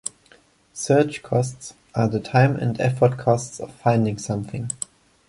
Search costs are the time and effort costs of finding something.